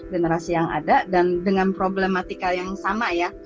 generasi yang ada dan dengan problematika yang sama ya